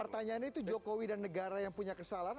pertanyaannya itu jokowi dan negara yang punya kesalahan